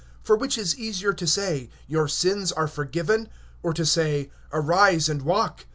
(5)For which is easier, to say: Thy sins are forgiven; or to say: Arise, and walk?